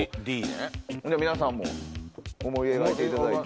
皆さんも思い描いていただいて。